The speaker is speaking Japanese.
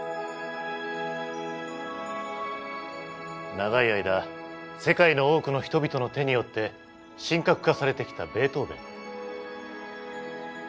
長い間世界の多くの人々の手によって神格化されてきたベートーヴェン。